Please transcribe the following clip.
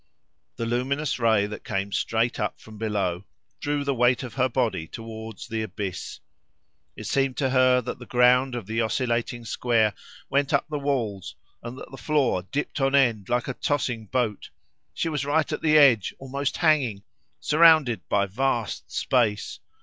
The luminous ray that came straight up from below drew the weight of her body towards the abyss. It seemed to her that the ground of the oscillating square went up the walls and that the floor dipped on end like a tossing boat. She was right at the edge, almost hanging, surrounded by vast space.